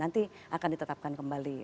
nanti akan ditetapkan kembali